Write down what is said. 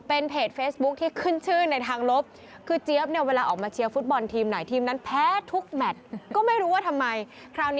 เป็นเพจเฟซบุ๊กที่ขึ้นชื่อในทางลบคือเจี๊ยบเนี้ยเวลาออกมาเชียร์ฟู้ดบอลทีมไหน